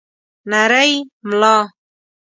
نرۍ ملا